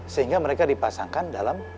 sehingga mereka dipasangkan dalam